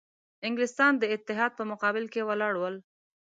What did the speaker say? انګلیسیان د اتحاد په مقابل کې ولاړ ول.